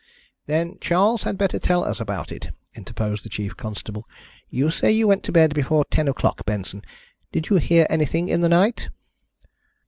"Then Charles had better tell us about it," interposed the chief constable. "You say you went to bed before ten o'clock, Benson. Did you hear anything in the night?"